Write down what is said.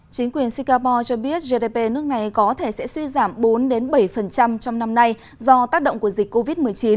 chính quyền singapore cho biết gdp nước này có thể sẽ suy giảm bốn bảy trong năm nay do tác động của dịch covid một mươi chín